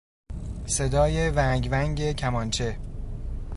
صدای ونگ ونگ کمانچه